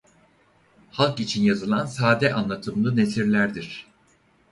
Halk için yazılan sade anlatımlı nesirlerdir.